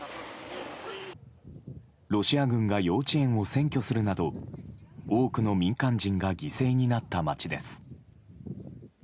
ロシア軍が幼稚園を占拠するなど多くの民間人が犠牲になった街です。